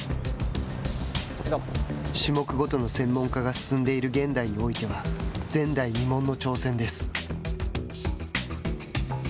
種目ごとの専門化が進んでいる現代においては前代未聞の挑戦です。